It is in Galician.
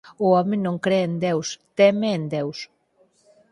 O home non cre en Deus, teme en Deus.